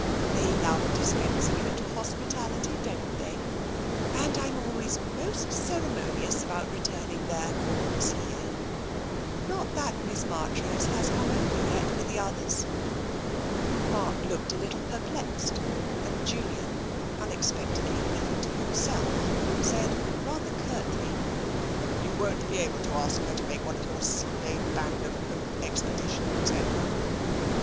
They love dispensing a little hospitality, don't they, and I'm always most ceremoni ous about returning their calls here. Not that Miss Marchrose has come over yet with the others." Mark looked a little perplexed, and Julian, unex pectedly even to himself, said rather curtly :" You won't be able to ask her to make one of your Sunday Band of Hope expeditions, Edna."